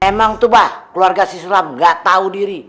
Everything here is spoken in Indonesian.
emang tuh bah keluarga si sulam gak tahu diri